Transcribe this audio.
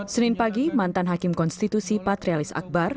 senin pagi mantan hakim konstitusi patrialis akbar